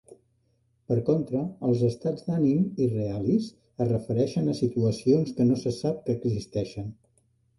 Per contra, els estats d'ànim "irrealis" es refereixen a situacions que no se sap que existeixen.